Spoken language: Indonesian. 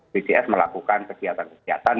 bpjs melakukan kegiatan kegiatan